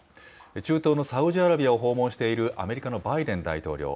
中東のサウジアラビアを訪問しているアメリカのバイデン大統領。